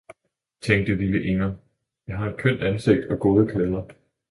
« tænkte lille Inger, »jeg har et kjønt Ansigt og gode Klæder!